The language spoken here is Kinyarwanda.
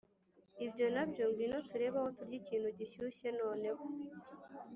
ibyo nabyo, ngwino turebe aho turya ikintu gishyushye noneho